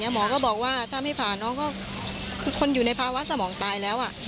หมอก็บอกว่าถ้าไม่ผ่าน้องก็คือคนอยู่ในภาวะสมองตายแล้ว